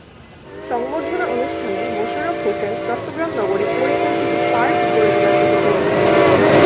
সংবর্ধনা অনুষ্ঠানে মোশাররফ হোসেন চট্টগ্রাম নগরে পরিকল্পিত পার্ক গড়ে তোলার প্রতি জোর দেন।